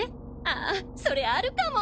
あぁそれあるかも！